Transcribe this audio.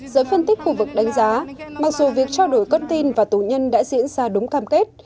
giới phân tích khu vực đánh giá mặc dù việc trao đổi con tin và tù nhân đã diễn ra đúng cam kết